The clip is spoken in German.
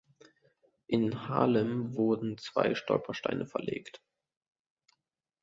In Haarlem wurden zwei Stolpersteine verlegt.